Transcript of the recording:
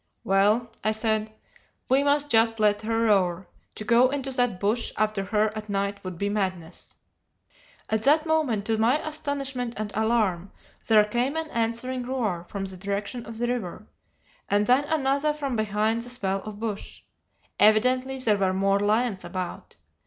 "'Well,' I said, 'we must just let her roar; to go into that bush after her at night would be madness.' "At that moment, to my astonishment and alarm, there came an answering roar from the direction of the river, and then another from behind the swell of bush. Evidently there were more lions about.